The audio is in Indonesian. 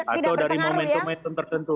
atau dari momentum momentum tertentu